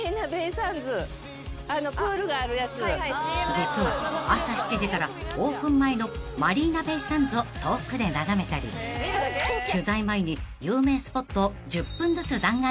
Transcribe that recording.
［実は朝７時からオープン前のマリーナベイ・サンズを遠くで眺めたり取材前に有名スポットを１０分ずつ弾丸で巡っていました］